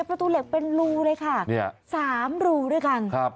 ประตูเหล็กเป็นรูเลยค่ะ๓รูด้วยกัน